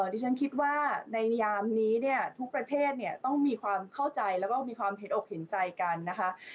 ที่ฉันคิดว่าในยามนี้ทุกประเทศต้องมีความเข้าใจและมีความเห็นอกเห็นใจกัน